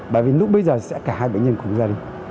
bởi vì lúc bây giờ sẽ cả hai bệnh nhân cùng ra đi